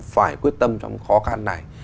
phải quyết tâm trong khó khăn này